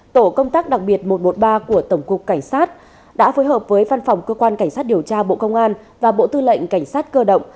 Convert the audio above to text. tổ công tác đặc biệt một trăm một mươi ba của tổng cục cảnh sát đã phối hợp với văn phòng cơ quan cảnh sát điều tra bộ công an và bộ tư lệnh cảnh sát cơ động